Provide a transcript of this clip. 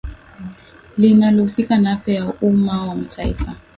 linalohusika na afya ya umma wa kimataifa